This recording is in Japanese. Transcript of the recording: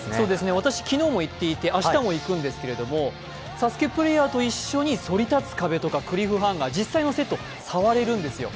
私、昨日も行っていて、明日も行くんですけど、ＳＡＳＵＫＥプレーヤーと一緒にそり立つ壁とか、クリフハンガー実際のセットに触れるんですよ。